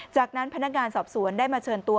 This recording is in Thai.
จากนั้นพนักงานสอบสวนได้มาเชิญตัว